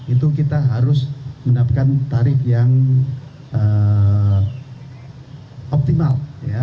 itu kita harus mendapatkan tarif yang optimal